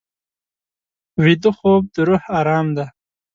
ویده خوب د روح ارام دی